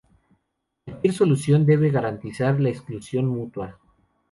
Cualquier solución debe garantizar la exclusión mutua.